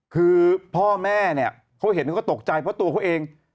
คือพ่อแม่เนี่ยเขาเห็นเขาก็ตกใจเพราะตัวเขาเอง